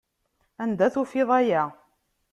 Anda tufiḍ aya?